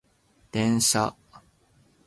電車